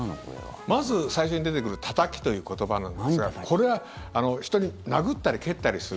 まず最初に出てくるたたきという言葉なんですがこれは人を殴ったり蹴ったりする